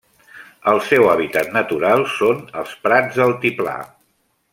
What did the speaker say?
El seu hàbitat natural són els prats d'altiplà.